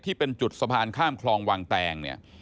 ที่เป็นจุดสะพานข้ามคลองวางแตงเนี่ย